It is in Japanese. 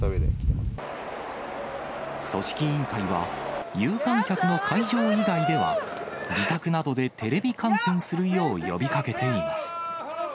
組織委員会は、有観客の会場以外では、自宅などでテレビ観戦するよう呼びかけています。